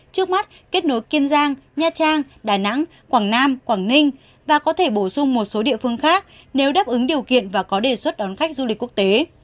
trước mắt kết nối kiên giang nha trang đà nẵng quảng nam quảng ninh và có thể bổ sung một số địa phương khác nếu đáp ứng điều kiện và có đề xuất đón khách du lịch quốc tế